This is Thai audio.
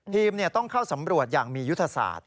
ต้องเข้าสำรวจอย่างมียุทธศาสตร์